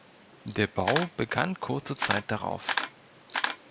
Der Bau begann kurze Zeit darauf.